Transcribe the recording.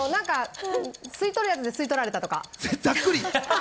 吸い取るやつで吸い取られたとか。